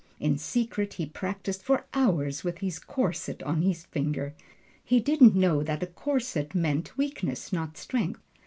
In secret he practised for hours with this "corset" on his finger; he didn't know that a corset means weakness, not strength.